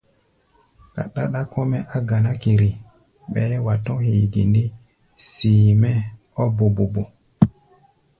Ka ɗáɗá kɔ́-mɛ́ á ganá kere, bɛɛ́ wa tɔ̧́ hee ge ndé, see-mɛ́ ɔ́ bobobo.